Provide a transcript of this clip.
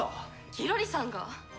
ギロリさんが！？